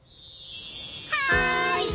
はい！